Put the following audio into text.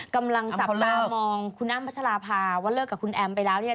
กำลังจับตามองคุณอ้ำพัชราภาว่าเลิกกับคุณแอมไปแล้วเนี่ย